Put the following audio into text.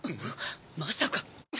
まさか。